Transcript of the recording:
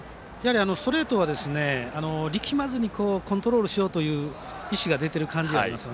ストレートは力まずにコントロールしようという意識が出ている感じがあります。